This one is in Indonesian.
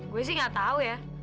gue sih gak tahu ya